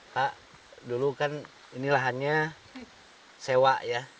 pak dulu kan ini lahannya sewa ya